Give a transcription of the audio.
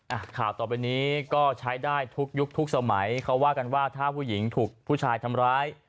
อ่ะข่าวต่อไปนี้ก็ใช้ได้ทุกยุคทุกสมัยเขาว่ากันว่าถ้าผู้หญิงถูกผู้ชายทำร้าย